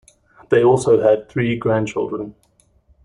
They also had three grandchildren.